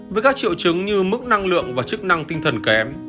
với các triệu chứng như mức năng lượng và chức năng tinh thần kém